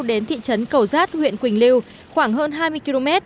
đến thị trấn cầu giác huyện quỳnh lưu khoảng hơn hai mươi km